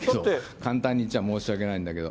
簡単に言っちゃ申し訳ないんだけど。